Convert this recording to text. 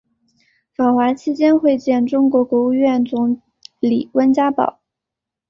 访华期间会见中国国务院总理温家宝。